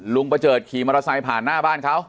ประเจิดขี่มอเตอร์ไซค์ผ่านหน้าบ้านเขา